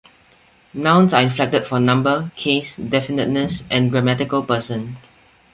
Nouns are inflected for number, case, definiteness, and grammatical person.